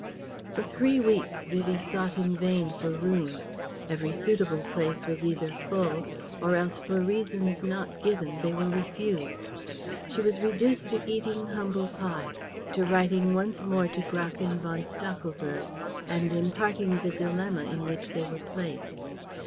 For three weeks Vivie sought in vain for rooms. Every suitable place was either full or else for reasons not given they were refused. She was reduced to eating humble pie, to writing once more to Gräfin von Stachelberg and imparting the dilemma in which they were placed.